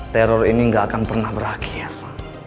teror ini gak akan pernah berakhir